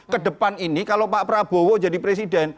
kedepan ini kalau pak prabowo jadi presiden